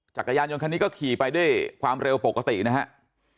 จักรยานยนต์คันนี้ก็ขี่ไปด้วยความเร็วปกตินะครับ